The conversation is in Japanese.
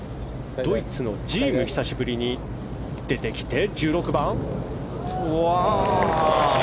ドイツのジームが久しぶりに出てきて１６番。